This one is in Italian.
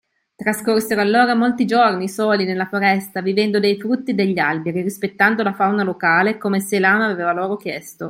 Trascorsero allora molti giorni soli, nella foresta, vivendo dei frutti degli alberi e rispettando la fauna locale, come Selàma aveva loro chiesto.